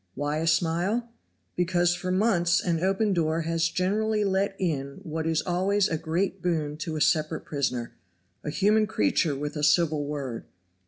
why a smile? Because for months an open door has generally let in what is always a great boon to a separate prisoner a human creature with a civil word.